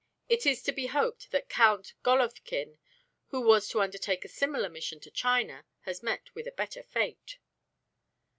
It is to be hoped that Count Golofkin, who was to undertake a similar mission to China, has met with a better fate."